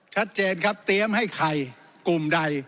ชัดเจนครับเตรียมให้ใครกลุ่มใด